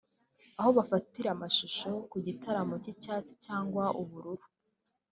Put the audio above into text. aho bafatira amashusho ku gitambaro cy’icyatsi cyangwa ubururu